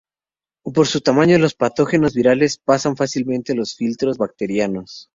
Por su tamaño los patógenos virales pasan fácilmente los filtros bacterianos.